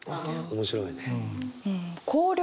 面白いね。